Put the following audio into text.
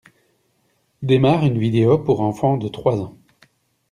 Démarre une vidéo pour enfant de trois ans.